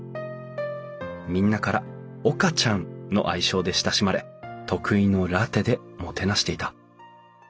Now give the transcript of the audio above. みんなから「岡ちゃん」の愛称で親しまれ得意のラテでもてなしていた。